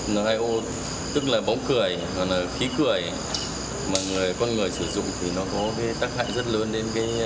n hai o tức là bóng cười khí cười mà con người sử dụng thì nó có tác hại rất lớn